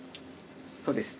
そうです。